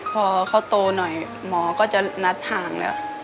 พอเขาโตหน่อยหมอก็จะนัดห่างแล้ว